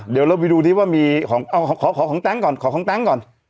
เดี๋ยวเราไปดูดิว่ามีขอของตั้งก่อน